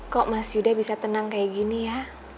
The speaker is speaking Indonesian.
kok mas yuda bisa tenang kayak gini ya